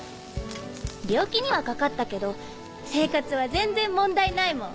病気にはかかったけど生活は全然問題ないもん。